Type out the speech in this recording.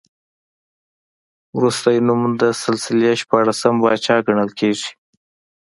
وروستی نوم د سلسلې شپاړسم پاچا ګڼل کېږي.